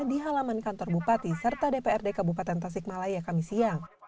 di halaman kantor bupati serta dprd kabupaten tasikmalaya kami siang